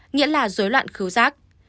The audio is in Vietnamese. nghĩa là rối loạn khứu rác